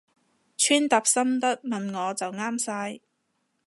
穿搭心得問我就啱晒